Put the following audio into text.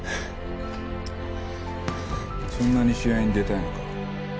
そんなに試合に出たいのか。